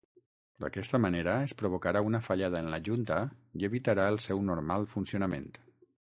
D'aquesta manera, es provocarà una fallada en la junta i evitarà el seu normal funcionament.